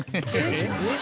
えっ？